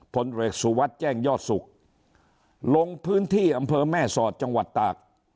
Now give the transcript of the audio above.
พศแจ้งยอดสุขลงพื้นที่อำเภอแม่สอดจังหวัดตาก